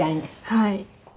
はい。